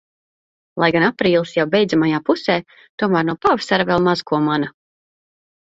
Lai gan aprīlis jau beidzamajā pusē, tomēr no pavasara vēl maz ko mana.